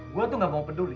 gue tuh nggak mau peduli